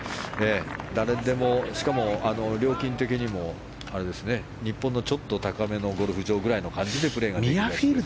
誰でも、しかも料金的にも日本のちょっと高めのゴルフ場ぐらいの感じでプレーができる。